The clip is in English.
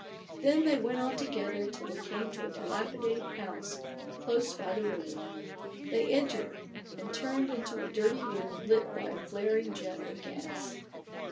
Then they went on together, till they came to a dilapidated house close by the river. They entered, and turned into a dirty room lit by a flaring jet of gas.